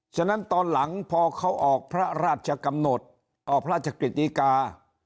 ฉะนั้นตอนหลังพอเขาออกพระราชกำหนดออกพระราชกฤติกา